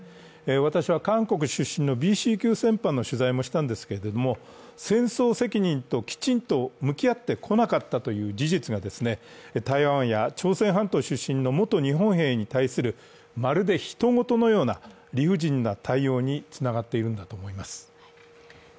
私は韓国出身のＢＣ級戦犯の取材もしたんですけれども、戦争責任ときちんと向き合ってこなかったという事実が台湾や朝鮮半島出身の元日本兵に対するまるでひと事のような理不尽な対応につながっているんだと思います。